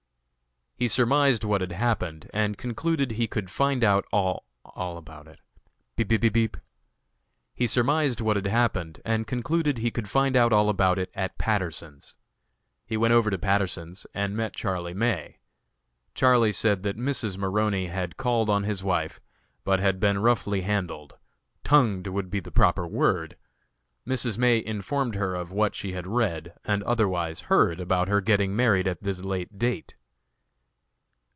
He enquired if there was nothing he could do for her, and she said no. He surmised what had happened and concluded he could find out all about it at Patterson's. He went over to Patterson's and met Charlie May. Charlie said that Mrs. Maroney had called on his wife, but had been roughly handled tongued would be the proper word. Mrs. May informed her of what she had read and otherwise heard about her getting married at this late date.